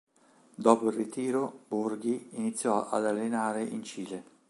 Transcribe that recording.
Dopo il ritiro, Borghi iniziò ad allenare in Cile.